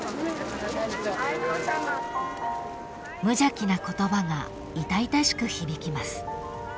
［無邪気な言葉が痛々しく響きます］